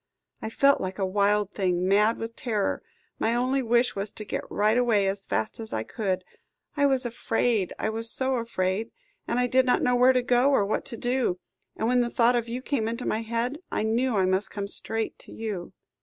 I felt like a wild thing, mad with terror, my only wish was to get right away as fast as I could I was afraid, I was so afraid. And I did not know where to go, or what to do; and, when the thought of you came into my head, I knew I must come straight to you."